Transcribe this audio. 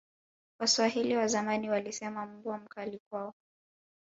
waswahili wazamani walisema mbwa mkali kwao